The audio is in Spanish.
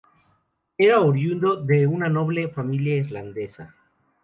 Era oriundo de una noble familia irlandesa.